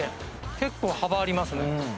結構幅ありますね。